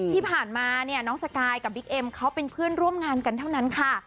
ที่ผ่านมาเนี่ยน้องสกายกับบิ๊กเอ็มเขาเป็นเพื่อนร่วมงานกันเท่านั้นค่ะ